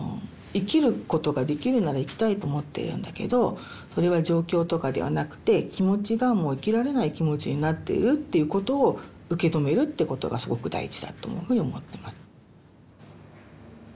生きることができるなら生きたいと思ってるんだけどそれは状況とかではなくて気持ちがもう生きられない気持ちになっているっていうことを受け止めるってことがすごく大事だというふうに思ってます。